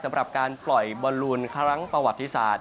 สำหรับการปล่อยบอลลูนครั้งประวัติศาสต